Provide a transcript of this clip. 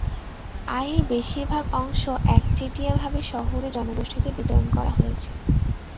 আয়ের বেশিরভাগ অংশ একচেটিয়াভাবে শহুরে জনগোষ্ঠীতে বিতরণ করা হয়েছে।